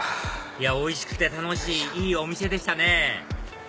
いやおいしくて楽しいいいお店でしたね